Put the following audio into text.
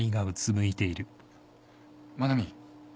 真奈美